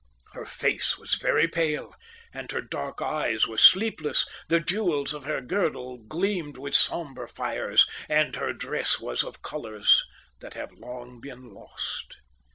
Her face was very pale, and her dark eyes were sleepless; the jewels of her girdle gleamed with sombre fires; and her dress was of colours that have long been lost.